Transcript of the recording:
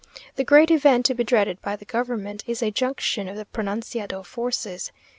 The great event to be dreaded by the government is a junction of the pronunciado forces.